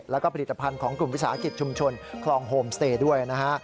แล้วก็ผลิตภัณฑ์ของกลุ่มวิสาหกิจชุมชนคลองโฮมสเตย์ด้วยนะฮะ